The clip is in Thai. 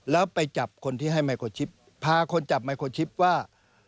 แล้วไปจับคนที่ให้ไมโครชิปพาคนจับไมโครชิปว่า